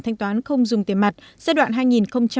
thanh toán không dùng tiền mặt giai đoạn